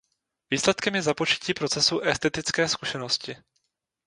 Výsledkem je započetí procesu estetické zkušenosti.